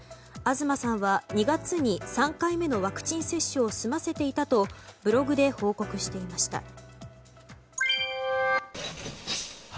東さんは２月に３回目のワクチン接種を済ませていたとブログで報告していました。